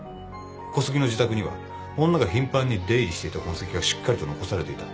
小杉の自宅には女が頻繁に出入りしていた痕跡がしっかりと残されていた。